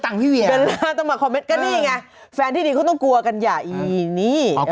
จงเวลาดังเตายะตังค่ะแฟนที่ดีเขาต้องกวากันอย่าอีก